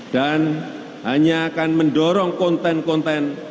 dan hanya akan mendorong konten konten